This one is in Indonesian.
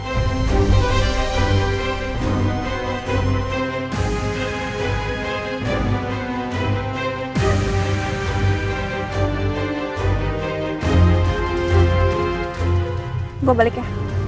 hai hai gue balik ya